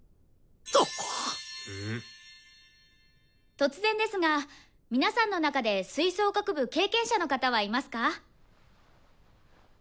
突然ですが皆さんの中で吹奏楽部経験者の方はいますか？